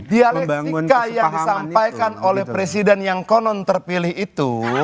dialektika yang disampaikan oleh presiden yang konon terpilih itu